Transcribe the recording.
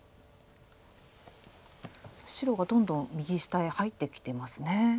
白がどんどん右下へ入ってきてますね。